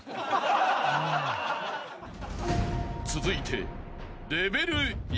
［続いて］